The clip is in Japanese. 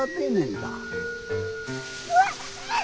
うわっ虫！